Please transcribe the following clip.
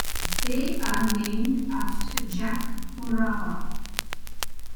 They are named after Jack Morava.